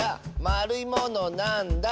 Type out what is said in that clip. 「まるいものなんだ？」